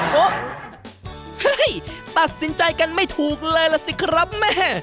เฮ้ยตัดสินใจกันไม่ถูกเลยล่ะสิครับแม่